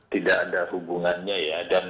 tidak ada hubungannya ya